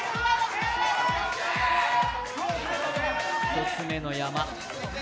１つ目の山。